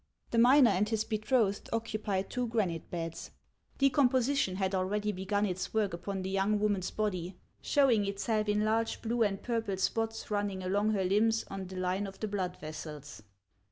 The miner and his betrothed occupied two granite beds ; decomposition had already begun its work upon the young woman's body, showing itself in large blue and purple spots running along HAXS OF ICELAND. 27 her limbs on the line of the blood vessels.